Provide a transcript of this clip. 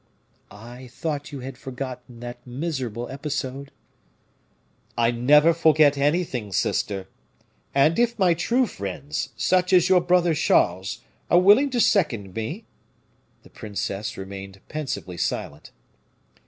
"I thought you had forgotten that miserable episode?" "I never forget anything, sister. And if my true friends, such as your brother Charles, are willing to second me " The princess remained pensively silent.